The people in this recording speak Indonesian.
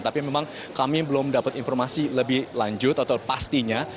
tapi memang kami belum dapat informasi lebih lanjut atau pastinya